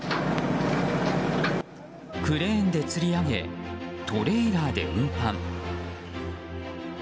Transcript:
クレーンでつり上げトレーラーで運搬。